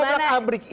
diobrak abrik itu